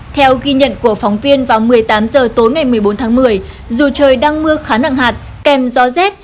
theo ghi nhận của phóng viên vào một mươi tám h tối ngày một mươi bốn tháng một mươi dù trời đang mưa khá nặng hạt kèm gió rét